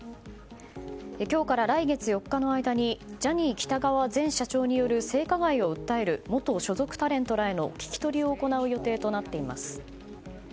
今日から来月４日の間にジャニー喜多川前社長による性加害を訴える元所属タレントらへの聞き取りを行う予定となっています。